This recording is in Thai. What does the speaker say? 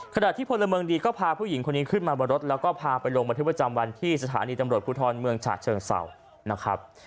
ขณะที่พลเมืองดีก็พาผู้หญิงคนนี้ขึ้นมาบนรถแล้วก็พาไปลงบันทึกประจำวันที่สถานีตำรวจภูทรเมืองฉะเชิงเศร้านะครับ